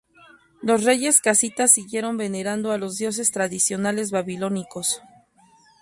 Los reyes casitas siguieron venerando a los dioses tradicionales babilónicos.